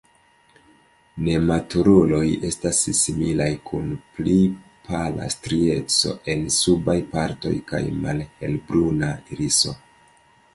Nematuruloj estas similaj kun pli pala strieco en subaj partoj kaj malhelbruna iriso.